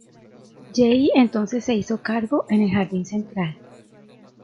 Jay entonces se hizo cargo en el jardín central.